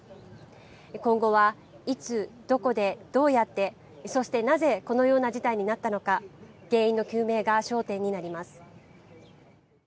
今後はいつ、どこで、どうやって、そしてなぜこのような事態になったのか、原因の究明が焦点になります。